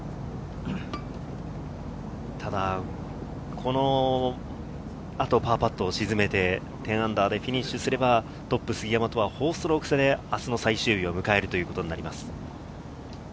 この後、パーパットを沈めて−１０でフィニッシュすればトップの杉山とは４ストローク差で明日の最終日を迎えるということになります。